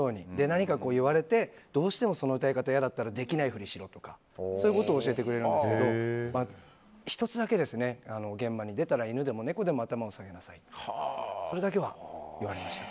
何か言われて、どうしてもその歌い方が嫌だったらできないふりしろとかそういうことを教えてくれるんですけど１つだけ、現場に出たら犬でも猫でも頭を下げなさい。